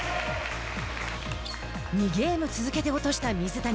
２ゲーム続けて落とした水谷。